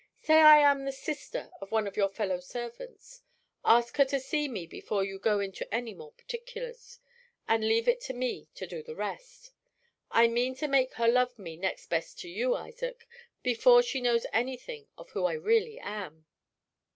Say I am the sister of one of your fellow servants ask her to see me before you go into any more particulars and leave it to me to do the rest. I mean to make her love me next best to you, Isaac, before she knows anything of who I really am."